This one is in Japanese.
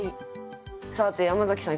さて山崎さん